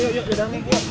tidak ada apa apa